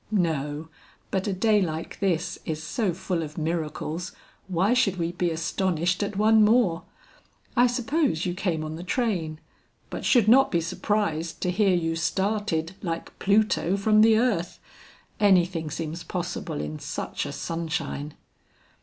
"No; but a day like this is so full of miracles, why should we be astonished at one more! I suppose you came on the train, but should not be surprised to hear you started, like Pluto, from the earth. Anything seems possible in such a sunshine."